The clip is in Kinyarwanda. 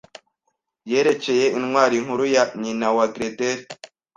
yerekeye intwari nkuru ya nyina wa Grendeli